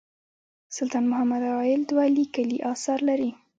سلطان محمد عايل دوه لیکلي اثار لري.